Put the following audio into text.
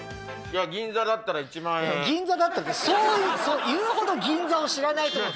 「銀座だったら」って言うほど銀座を知らない。